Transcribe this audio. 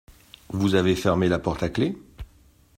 Vous avez fermé la porte à clef ?